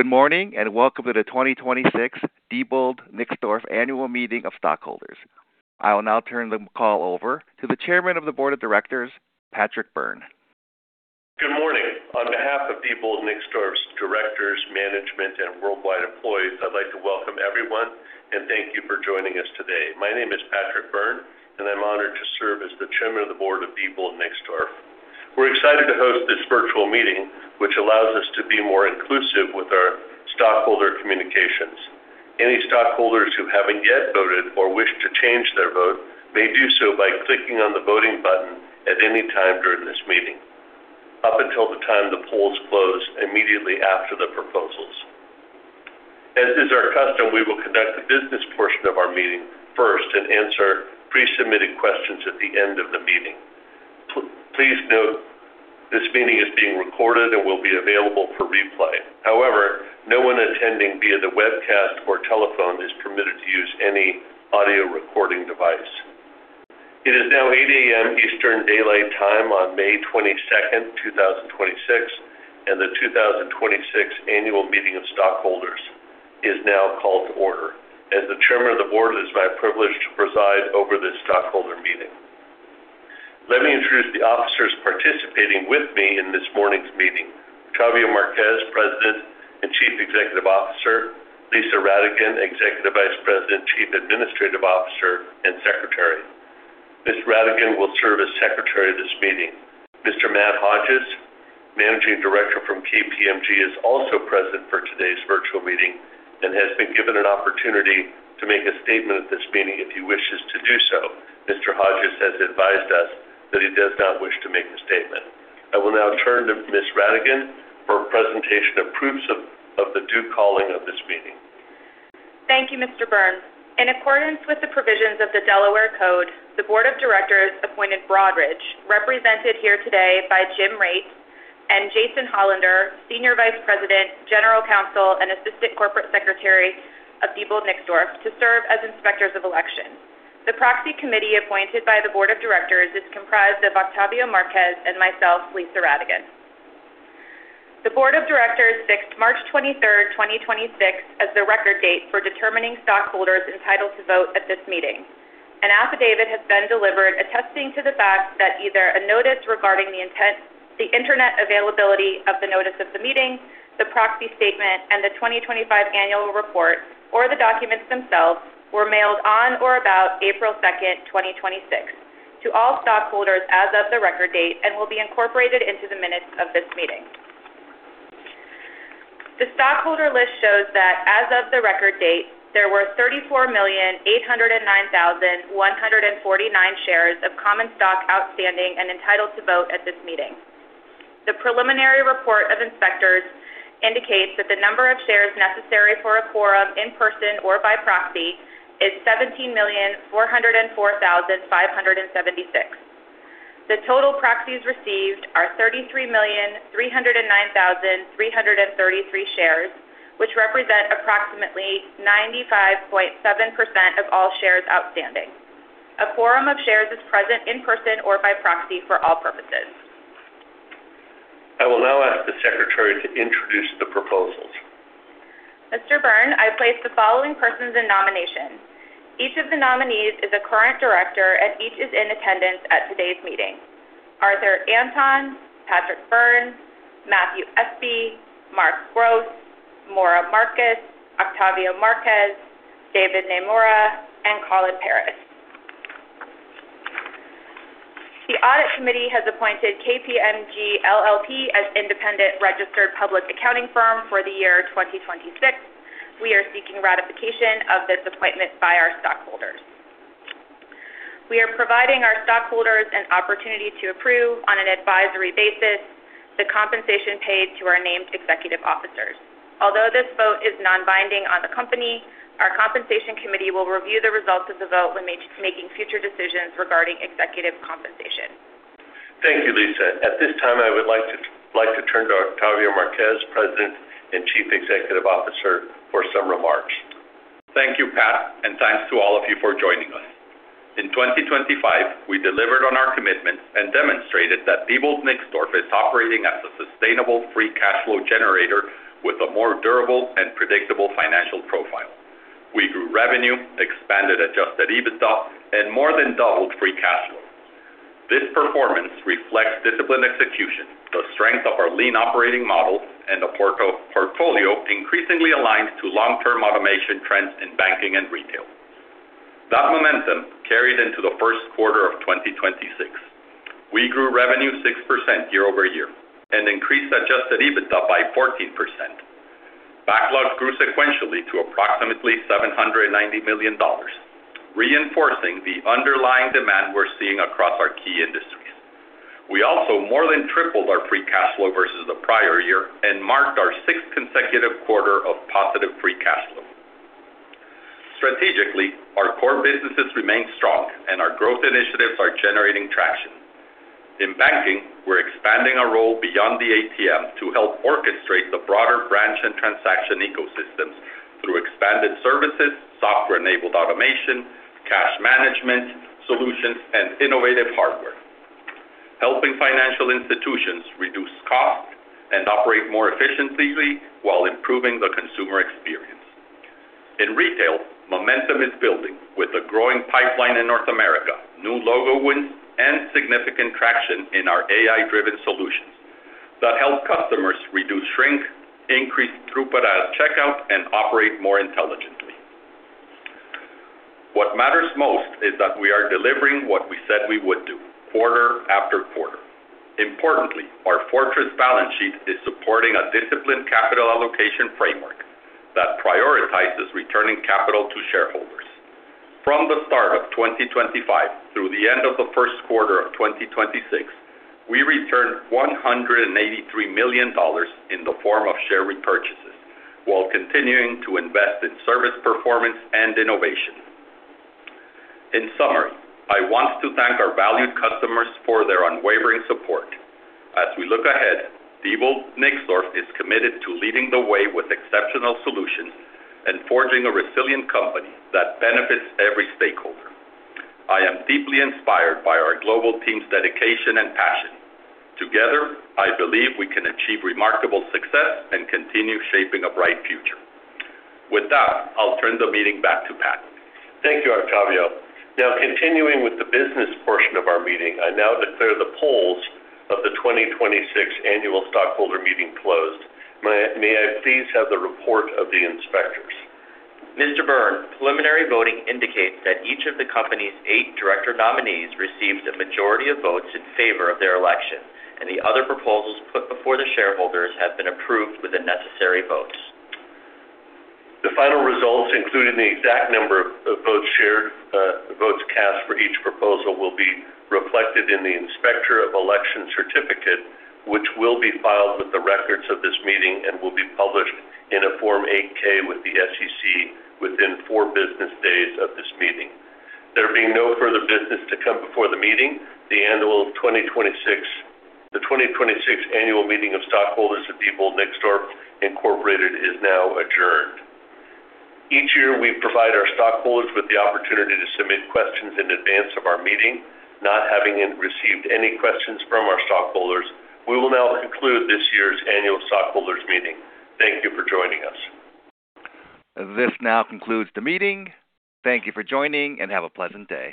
Good morning, and welcome to the 2026 Diebold Nixdorf Annual Meeting of Stockholders. I will now turn the call over to the Chairman of the Board of Directors, Patrick Byrne. Good morning. On behalf of Diebold Nixdorf's directors, management, and worldwide employees, I'd like to welcome everyone and thank you for joining us today. My name is Patrick Byrne, and I'm honored to serve as the chairman of the board of Diebold Nixdorf. We're excited to host this virtual meeting, which allows us to be more inclusive with our stockholder communications. Any stockholders who haven't yet voted or wish to change their vote may do so by clicking on the voting button at any time during this meeting up until the time the polls close immediately after the proposals. As is our custom, we will conduct the business portion of our meeting first and answer pre-submitted questions at the end of the meeting. Please note this meeting is being recorded and will be available for replay. However, no one attending via the webcast or telephone is permitted to use any audio recording device. It is now 8:00 A.M. Eastern Daylight Time on May 22nd, 2026, and the 2026 annual meeting of stockholders is now called to order. As the chairman of the board, it is my privilege to preside over this stockholder meeting. Let me introduce the officers participating with me in this morning's meeting. Octavio Marquez, President and Chief Executive Officer. Lisa Radigan, Executive Vice President, Chief Administrative Officer, and Secretary. Ms. Radigan will serve as secretary of this meeting. Mr. Matt Hodges, Managing Director from KPMG, is also present for today's virtual meeting and has been given an opportunity to make a statement at this meeting if he wishes to do so. Mr. Hodges has advised us that he does not wish to make a statement. I will now turn to Ms. Radigan for a presentation of proofs of the due calling of this meeting. Thank you, Mr. Byrne. In accordance with the provisions of the Delaware Code, the board of directors appointed Broadridge, represented here today by Jim Rate and Jason Hollander, Senior Vice President, General Counsel, and Assistant Corporate Secretary of Diebold Nixdorf, to serve as inspectors of election. The proxy committee appointed by the board of directors is comprised of Octavio Marquez and myself, Lisa Radigan. The board of directors fixed March 23rd, 2026, as the record date for determining stockholders entitled to vote at this meeting. An affidavit has been delivered attesting to the fact that either a notice regarding the internet availability of the notice of the meeting, the proxy statement, and the 2025 annual report, or the documents themselves were mailed on or about April 2nd, 2026, to all stockholders as of the record date and will be incorporated into the minutes of this meeting. The stockholder list shows that as of the record date, there were 34,809,149 shares of common stock outstanding and entitled to vote at this meeting. The preliminary report of inspectors indicates that the number of shares necessary for a quorum, in person or by proxy, is 17,404,576. The total proxies received are 33,309,333 shares, which represent approximately 95.7% of all shares outstanding. A quorum of shares is present in person or by proxy for all purposes. I will now ask the secretary to introduce the proposals. Mr. Byrne, I place the following persons in nomination. Each of the nominees is a current director, and each is in attendance at today's meeting. Arthur Anton, Patrick Byrne, Matthew Espe, Mark Gross, Maura A. Markus, Octavio Marquez, David Naemura, and Colin J. Parris. The audit committee has appointed KPMG LLP as independent registered public accounting firm for the year 2026. We are seeking ratification of this appointment by our stockholders. We are providing our stockholders an opportunity to approve, on an advisory basis, the compensation paid to our named executive officers. Although this vote is non-binding on the company, our compensation committee will review the results of the vote when making future decisions regarding executive compensation. Thank you, Lisa. At this time, I would like to turn to Octavio Marquez, President and Chief Executive Officer, for some remarks. Thank you, Pat, and thanks to all of you for joining us. In 2025, we delivered on our commitment and demonstrated that Diebold Nixdorf is operating as a sustainable free cash flow generator with a more durable and predictable financial profile. We grew revenue, expanded adjusted EBITDA, and more than doubled free cash flow. This performance reflects disciplined execution, the strength of our lean operating model, and a portfolio increasingly aligned to long-term automation trends in banking and retail. That momentum carried into the first quarter of 2026. We grew revenue 6% year-over-year and increased adjusted EBITDA by 14%. Backlogs grew sequentially to approximately $790 million, reinforcing the underlying demand we're seeing across our key industries. We also more than tripled our free cash flow versus the prior year and marked our sixth consecutive quarter of positive free cash flow. Strategically, our core businesses remain strong, and our growth initiatives are generating traction. In banking, we're expanding our role beyond the ATM to help orchestrate the broader branch and transaction ecosystems through expanded services, software-enabled automation, cash management solutions, and innovative hardware. Helping financial institutions reduce costs and operate more efficiently while improving the consumer experience. In retail, momentum is building with a growing pipeline in North America, new logo wins, and significant traction in our AI-driven solutions that help customers reduce shrink, increase throughput at checkout, and operate more intelligently. What matters most is that we are delivering what we said we would do quarter after quarter. Importantly, our fortress balance sheet is supporting a disciplined capital allocation framework that prioritizes returning capital to shareholders. From the start of 2025 through the end of the first quarter of 2026, we returned $183 million in the form of share repurchases while continuing to invest in service performance and innovation. In summary, I want to thank our valued customers for their unwavering support. As we look ahead, Diebold Nixdorf is committed to leading the way with exceptional solutions and forging a resilient company that benefits every stakeholder. I am deeply inspired by our global team's dedication and passion. Together, I believe we can achieve remarkable success and continue shaping a bright future. With that, I'll turn the meeting back to Pat. Thank you, Octavio. Now continuing with the business portion of our meeting, I now declare the polls of the 2026 annual stockholder meeting closed. May I please have the report of the inspectors? Mr. Byrne, preliminary voting indicates that each of the company's eight director nominees received a majority of votes in favor of their election, and the other proposals put before the shareholders have been approved with the necessary votes. The final results, including the exact number of votes cast for each proposal, will be reflected in the Inspector of Election certificate, which will be filed with the records of this meeting and will be published in a Form 8-K with the SEC within four business days of this meeting. There being no further business to come before the meeting, the 2026 annual meeting of stockholders of Diebold Nixdorf, Incorporated is now adjourned. Each year, we provide our stockholders with the opportunity to submit questions in advance of our meeting. Not having received any questions from our stockholders, we will now conclude this year's annual stockholders meeting. Thank you for joining us. This now concludes the meeting. Thank you for joining, and have a pleasant day.